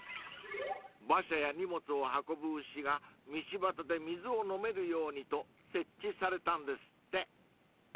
［馬車や荷物を運ぶ牛が道端で水を飲めるようにと設置されたんですって］